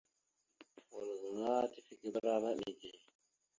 Wal gaŋa ala : tifekeberánaɗ neke.